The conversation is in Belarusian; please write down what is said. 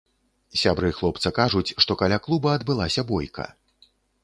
Сябры хлопца кажуць, што каля клуба адбылася бойка.